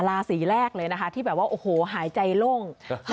ราศีแรกเลยนะคะที่แบบว่าโอ้โหหายใจโล่ง